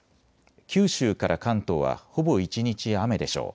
九州から関東はほぼ一日雨でしょう。